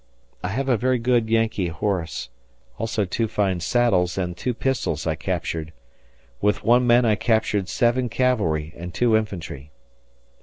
... I have a very good Yankee horse, also two fine saddles and two pistols I captured. With one man I captured seven cavalry and two infantry.